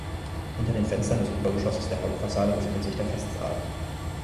Hinter den Fenstern des Obergeschosses der Hauptfassade befindet sich der Festsaal.